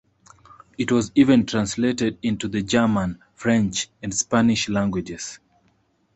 It was even translated into the German, French, and Spanish languages.